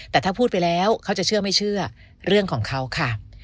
แต่ถ้าพูดไปแล้วเขาจะเชื่อไม่เชื่อเรื่องของเขาค่ะ